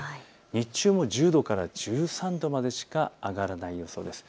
日中も１０度から１３度までしか上がらない予想です。